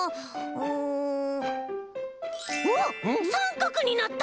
うわっさんかくになった！